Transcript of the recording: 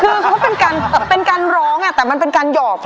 คือเขาก็เป็นการเป็นการร้องอ่ะแต่มันเป็นการหยอบ